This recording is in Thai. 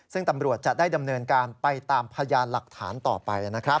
ซึ่งตำรวจจะได้ดำเนินการไปตามพยานหลักฐานต่อไปนะครับ